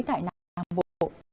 tại nam bộ